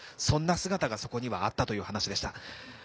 そんな姿がそこにはあったという話でした。